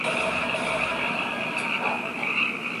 Educado en el Seminario de Chillán.